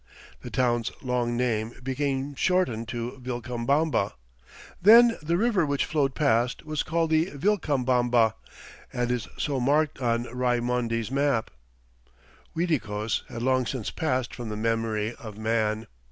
The town's long name became shortened to Vilcabamba. Then the river which flowed past was called the Vilcabamba, and is so marked on Raimondi's map. Uiticos had long since passed from the memory of man.